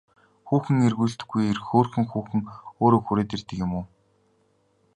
Хүүхэн эргүүлдэггүй эрд хөөрхөн хүүхэн өөрөө хүрээд ирдэг юм уу?